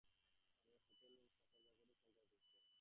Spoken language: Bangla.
আর হোটেলের চাকরবাকরের সংখ্যাও খুব কম।